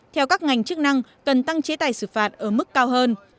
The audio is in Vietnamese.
theo các ngành chức năng cần tăng chế tài xử phạt ở mức cao hơn